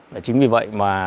và chính vì vậy mà